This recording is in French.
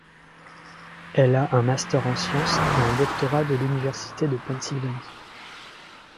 Elle a un master en sciences et un doctorat de l'université de Pennsylvanie.